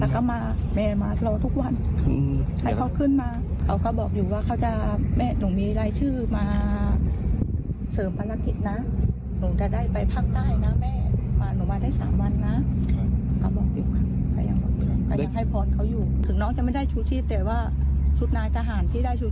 อาจจะช่วยน้องด้วยก็ได้ครับเพราะเค้าเต็มที่กัน